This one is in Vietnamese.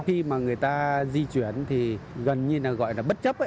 khi di chuyển thì gần như là gọi là bất chấp ấy